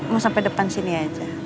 mau sampai depan sini aja